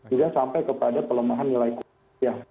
juga sampai kepada pelemahan nilai kurs